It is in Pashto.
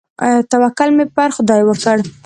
توکل مې پر خداى وکړ.